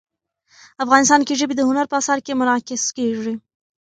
افغانستان کې ژبې د هنر په اثار کې منعکس کېږي.